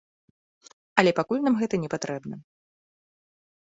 Але пакуль нам гэта непатрэбна.